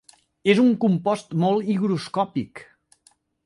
És un compost molt higroscòpic.